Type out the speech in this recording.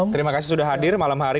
terima kasih sudah hadir malam hari